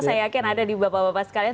saya yakin ada di bapak bapak sekalian